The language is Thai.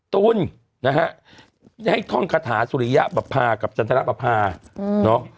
ตุ้นนะฮะให้ท่อนคาถาสุริยะปรับภาพกับจันทรปรับภาพ